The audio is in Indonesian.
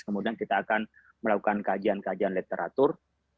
kemudian kita akan melakukan kajian kajian literatur